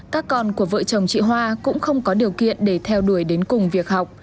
các con của vợ chồng chị hoa cũng không có điều kiện để theo đuổi đến cùng việc học